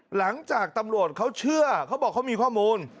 หลังจากตำรวจเขาเชื่อเขาบอกเขามีข้อมูล